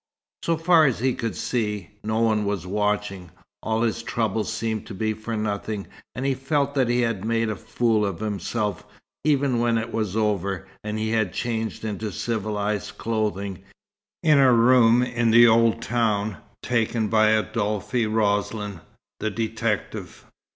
So far as he could see, no one was watching. All his trouble seemed to be for nothing, and he felt that he had made a fool of himself, even when it was over, and he had changed into civilized clothing, in a room in the old town, taken by Adolphe Roslin, the detective.